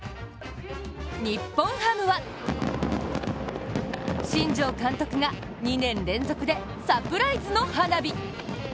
日本ハムは、新庄監督が２年連続でサプライズの花火。